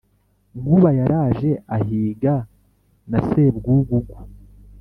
Nkuba yaraje ahiga na Sebwugugu